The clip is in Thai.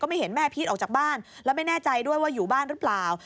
ไม่เห็นแม่พีชออกจากบ้านแล้วไม่แน่ใจด้วยว่าอยู่บ้านหรือเปล่า